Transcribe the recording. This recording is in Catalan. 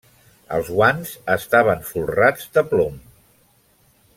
Els guants estaven folrats de plom.